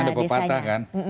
karena ada pepatah kan